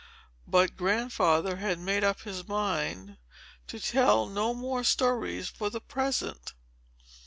But Grandfather had made up his mind to tell no more stories for the present.